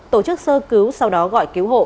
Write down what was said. tổ chức sơ cứu sau đó gọi cứu hộ